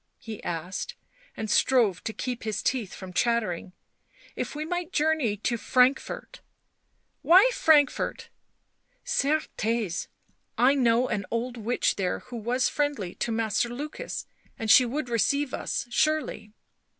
he asked, and strove to keep his teeth from chattering. "If we might journey to Frankfort " "Why Frankfort?" " Certes, I know an old witch there who was friendly to Master Lukas, and she would receive us, surely."